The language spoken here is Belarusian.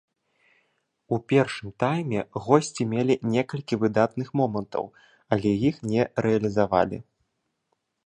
У першым тайме госці мелі некалькі выдатных момантаў, але іх не рэалізавалі.